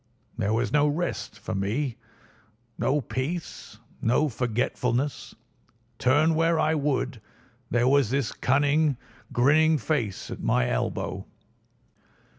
There was no rest for me, no peace, no forgetfulness; turn where I would, there was his cunning, grinning face at my elbow.